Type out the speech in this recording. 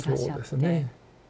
そうですね。